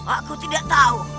aku tidak tahu